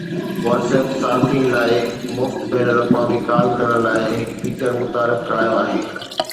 WhatsApp صارفين لاءِ مفت بين الاقوامي ڪال ڪرڻ لاءِ هڪ فيچر متعارف ڪرايو آهي